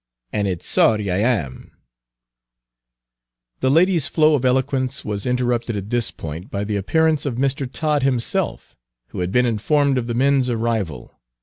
An' it's sorry I am" The lady's flow of eloquence was interrupted at this point by the appearance of Mr. Todd himself, who had been informed of the men's arrival.